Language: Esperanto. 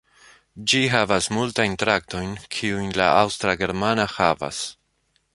Ĝi havas multajn trajtojn, kiujn la Aŭstra-germana havas.